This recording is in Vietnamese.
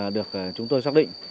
được chúng tôi xác định